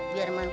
biar aku ambil